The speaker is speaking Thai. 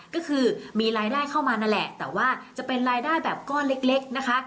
ก็คือมีรายได้เข้ามานั่นแหละแต่ว่าจะเป็นรายได้แบบก้อนเล็กนะคะ